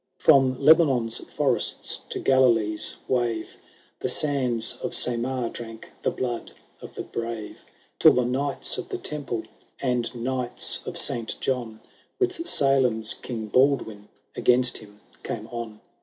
From Lebanon's forests to Galilee's wave, The sands of Samaar drank the blood of the brave ; Till the Knights of the Temple, and Knights of Saint John, With Salem's King Baldwin, against him came on.